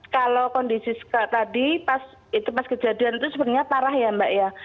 kalau kondisi tadi pas kejadian itu sebenarnya parah ya mbak ya